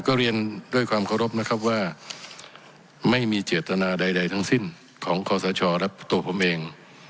ก็เรียนด้วยความเคารพนะครับว่าไม่มีเจตนาใดทั้งสิ้นของคอสชและตัวผมเอง